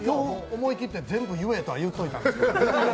思い切って全部言えとは言ってたんですけど。